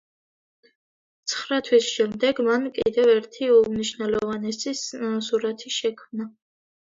ცხრა თვის შემდეგ მან კიდევ ერთი უმნიშვნელოვანესი სურათი შექმნა.